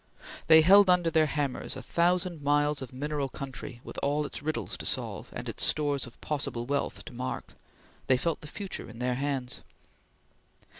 They held under their hammers a thousand miles of mineral country with all its riddles to solve, and its stores of possible wealth to mark. They felt the future in their hands.